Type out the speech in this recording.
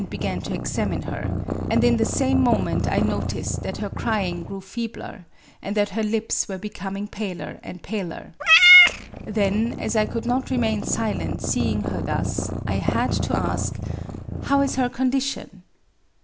Digitized by Googk 114 A WOMAN'S DIARY to examine her ; and in the same moment I noticed that her crying grew feebler, and that her lips were becoming paler and paler. Then, as I could not remain silent, see ing her thus, I had to ask, ^^How is her condition?''